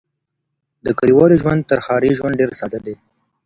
د کليوالو ژوند تر ښاري ژوند ډېر ساده دی.